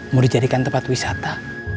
mau dijadikan tempat wisata